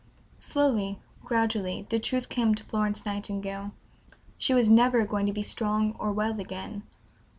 Slowly, gradually, the truth came to Florence Nightingale: she was never going to be strong or well again.